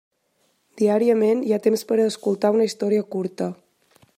Diàriament hi ha temps per a escoltar una història curta.